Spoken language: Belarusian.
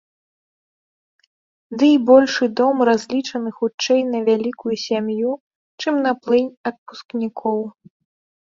Дый большы дом разлічаны хутчэй на вялікую сям'ю, чым на плынь адпускнікоў.